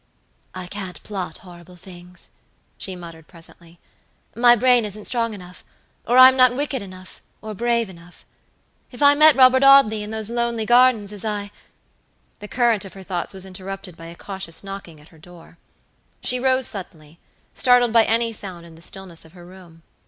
"I can't plot horrible things," she muttered, presently; "my brain isn't strong enough, or I'm not wicked enough, or brave enough. If I met Robert Audley in those lonely gardens, as I" The current of her thoughts was interrupted by a cautious knocking at her door. She rose suddenly, startled by any sound in the stillness of her room.